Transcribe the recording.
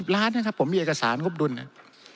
๑๒๐ล้านนะครับผมมีเอกสารคบดุลนะ